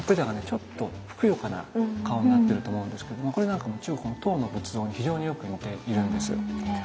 ちょっとふくよかな顔になってると思うんですけどこれなんかも中国の唐の仏像に非常によく似ているんです。